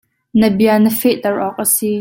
Na bia na fehter awk a si.